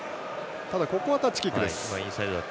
ただ、ここはタッチキックです。